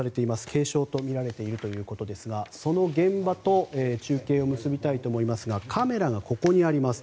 軽傷とみられているということですがその現場と中継を結びたいと思いますがカメラがここにあります。